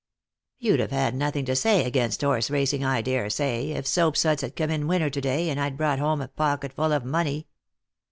" You d have had nothing to say against horse racing, I dare say, if Soapsuds had come in winner to day, and I'd brought home a pocketful of money."